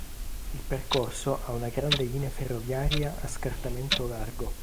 Il percorso ha una grande linea ferroviaria a scartamento largo.